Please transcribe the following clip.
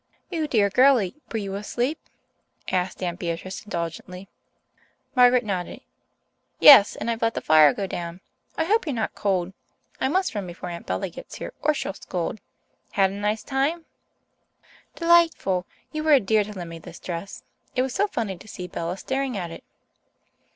"You dear girlie, were you asleep?" asked Aunt Beatrice indulgently. Margaret nodded. "Yes, and I've let the fire go out. I hope you're not cold. I must run before Aunt Bella gets here, or she'll scold. Had a nice time?" "Delightful. You were a dear to lend me this dress. It was so funny to see Bella staring at it."